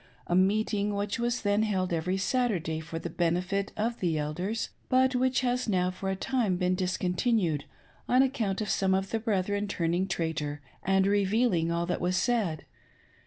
—a meeting which was then held every Saturday for th^ benefit of the Elders, but which has now for a time been discontinued, on account of some of the bretliren turning traitor and revealing all that was said.